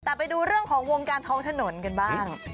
แต่ไปดูเรื่องของวงการท้องถนนกันบ้าง